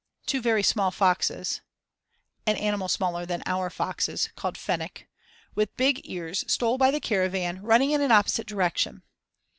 Two very small foxes* [* An animal smaller than our foxes, called "fennec."] with big ears stole by the caravan, running in an opposite direction.